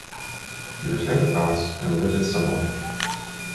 He returned to France, and lived at Saumur.